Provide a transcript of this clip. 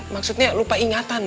maksudnya lupa ingatan